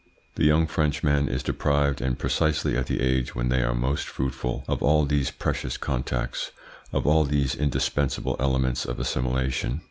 The young Frenchman is deprived, and precisely at the age when they are most fruitful, of all these precious contacts, of all these indispensable elements of assimilation.